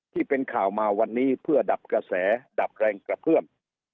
ที่เป็นข่าวมาวันนี้เพื่อดับกระแสดับแรงกระเพื่อม